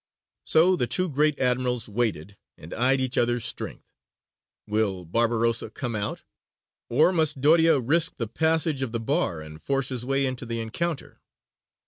So the two great admirals waited and eyed each other's strength. Will Barbarossa come out? Or must Doria risk the passage of the bar and force his way in to the encounter?